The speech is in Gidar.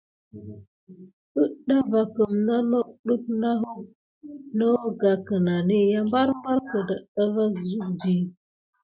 Əɗah va kəmna nok def na hoga kinani kabarkamà meyuhiyaku.